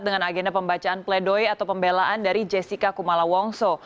dengan agenda pembacaan pledoi atau pembelaan dari jessica kumala wongso